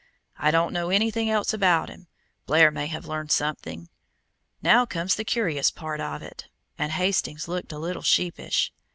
I don't know anything else about him; Blair may have learned something. "Now comes the curious part of it," and Hastings looked a little sheepish.